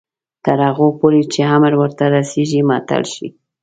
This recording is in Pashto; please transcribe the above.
تر هغو پورې چې امر ورته رسیږي معطل شي.